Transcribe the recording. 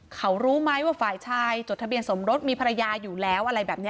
เขารู้ไหมว่าฝ่ายชายจดทะเบียนสมรสมีภรรยาอยู่แล้วอะไรแบบนี้